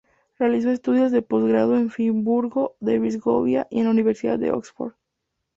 Realizó estudios de posgrado en Friburgo de Brisgovia y en la Universidad de Oxford.